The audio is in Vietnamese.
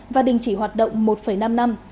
và đình chỉ hoạt động một năm năm